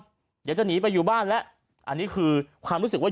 เดี๋ยวจะหนีไปอยู่บ้านแล้วอันนี้คือความรู้สึกว่า